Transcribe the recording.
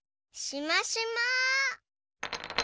しましま。